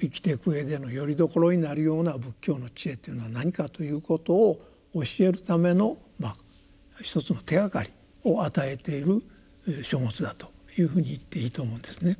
生きていくうえでのよりどころになるような仏教の智慧というのは何かということを教えるための一つの手がかりを与えている書物だというふうに言っていいと思うんですね。